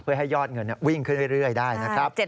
เพื่อให้ยอดเงินวิ่งขึ้นเรื่อยได้นะครับ